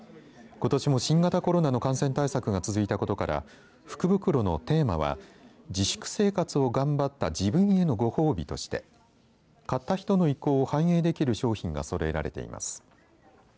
ことしも新型コロナの感染対策が続いたことから福袋のテーマは自粛生活をがんばった自分へのご褒美として買った人の意向を反映できる商品がそろえられています。